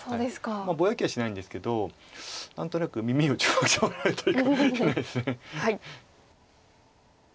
ぼやきはしないんですけど何となく耳を注目してもらうといいかもしれないです。